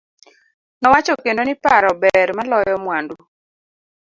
Nowacho kendo ni paro ber maloyo mwandu.